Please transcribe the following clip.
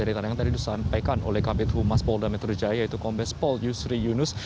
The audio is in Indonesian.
yang tadi disampaikan oleh kabinet humas polda metro jaya yaitu kombes pol yusri yunus